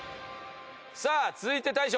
さあ続いて大昇。